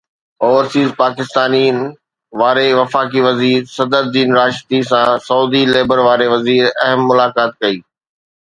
overseas پاڪستانين واري وفاقي وزير صدر الدين راشدي سان سعودي ليبر واري وزير اهم ملاقات ڪئي